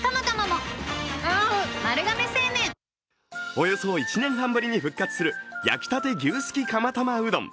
およそ１年半ぶりに復活する焼きたて牛すき釜玉うどん。